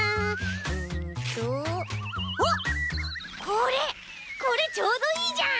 これこれちょうどいいじゃん！